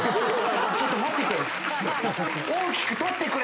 ちょっと待ってくれ。